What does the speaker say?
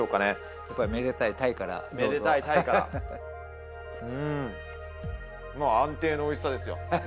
やっぱりめでたい鯛からめでたい鯛からうんもう安定のおいしさですよ